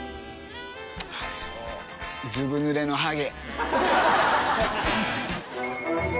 そうずぶぬれのハゲ。